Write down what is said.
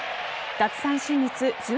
奪三振率